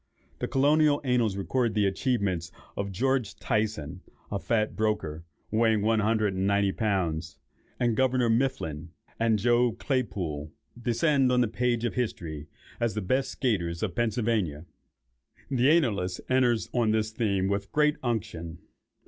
The colonial annals record the achievements of George Tyson, a fat broker, weighing one hundred and ninety pounds; and "Governor Mifflin, and Joe Claypoole," descend on the page of history as the best skaiters of Pennsylvania. The annalist enters on this theme with great unction.